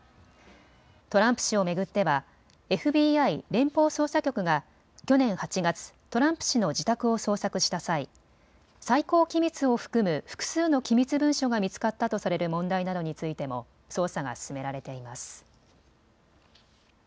トランプ氏を巡ってはＦＢＩ・連邦捜査局が去年８月、トランプ氏の自宅を捜索した際、最高機密を含む複数の機密文書が見つかったとされる問題などについても捜査が進められています。